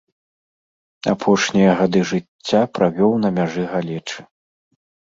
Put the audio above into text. Апошнія гады жыцця правёў на мяжы галечы.